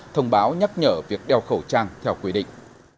thông báo nhắc nhở việc đeo khẩu trang theo quy định